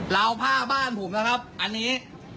ราวผ้าบ้านผมนะครับอันนี้